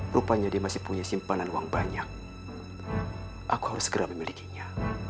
rupanya dia masih punya simpanan uang banyak aku harus segera memilikinya